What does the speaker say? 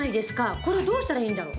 これどうしたらいいんだろう？